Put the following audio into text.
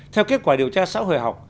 theo kết quả điều tra xã hội học